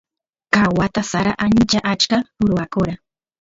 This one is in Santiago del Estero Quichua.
ka wata sara ancha achka ruwakora